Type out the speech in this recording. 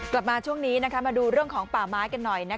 กลับมาช่วงนี้มาดูเรื่องของป่าไม้กันหน่อย